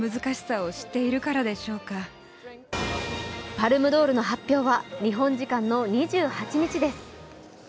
パルムドールの発表は日本時間の２８日です。